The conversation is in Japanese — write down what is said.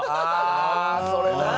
ああそれな。